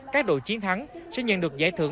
các đội chiến thắng sẽ nhận được giải thưởng